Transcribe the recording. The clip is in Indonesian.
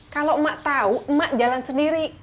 kalo emak tau emak jalan sendiri